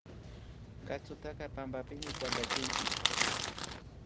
Katsutaka pampapimi tantachinchik